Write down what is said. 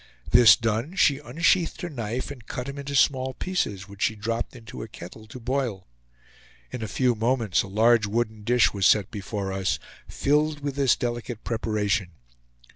This done, she unsheathed her knife and cut him into small pieces, which she dropped into a kettle to boil. In a few moments a large wooden dish was set before us, filled with this delicate preparation.